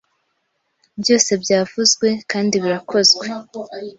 Byose byavuzwe kandi birakozwe